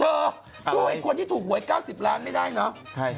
สู้ไอ้คนที่ถูกหวย๙๐ล้านไม่ได้เนอะ